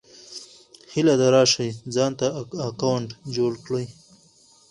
هيله ده راشٸ ځانته اکونټ جوړ کړى